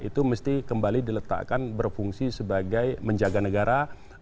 itu mesti kembali diletakkan berfungsi sebagai menjaga negara